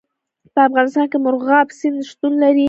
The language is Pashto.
په افغانستان کې مورغاب سیند شتون لري.